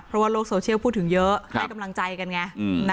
เพราะว่าโลกโซเชียลพูดถึงเยอะให้กำลังใจกันไง